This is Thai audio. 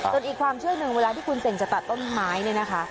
ส่วนอีกความเชื่อหนึ่งเวลาที่คุณเสงจะตัดต้นไม้เนี่ยนะคะ